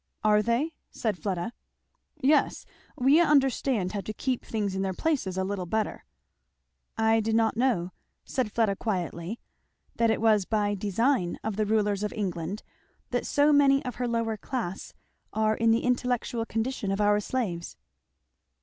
"Are they?" said Fleda. "Yes we understand how to keep things in their places a little better." "I did not know," said Fleda quietly, "that it was by design of the rulers of England that so many of her lower class are in the intellectual condition of our slaves."